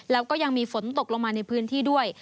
แล้วก็ยังมีฝนตกลงมาในพื้นที่ด้วย